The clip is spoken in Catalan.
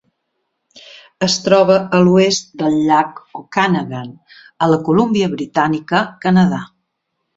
Es troba a l'oest del llac Okanagan a la Colúmbia Britànica, Canadà.